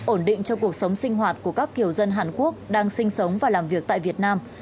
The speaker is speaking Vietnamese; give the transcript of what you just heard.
ổn định cho cuộc sống sinh hoạt của các kiều dân hàn quốc đang sinh sống và làm việc tại việt nam